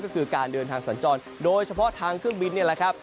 ก็คือการเดินทางสัญจรโดยเฉพาะทางเครื่องบินนี่แหละครับ